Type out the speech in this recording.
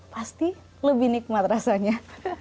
pasti lebih nikmat rasanya